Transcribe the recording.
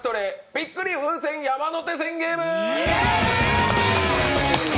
びっくり風船山手線ゲーム。